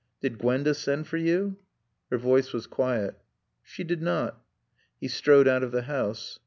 "Did Gwenda send for you?" Her voice was quiet. "She did not." He strode out of the house.